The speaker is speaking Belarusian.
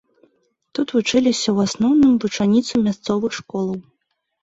Тут вучыліся ў асноўным вучаніцы мясцовых школаў.